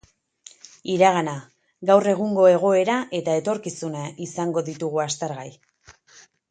Iragana, gaur egungo egoera eta etorkizuna izango ditugu aztergai.